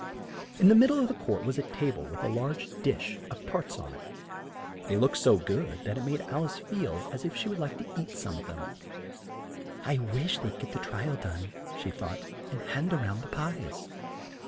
In the mid dle of the court was a ta ble with a large dish of tarts on it. They looked so good that it made Al ice feel as if she would like to eat some of them. "I wish they'd get the tri al done," she thought, "and hand round the pies!"